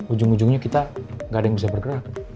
ujung ujungnya kita nggak ada yang bisa bergerak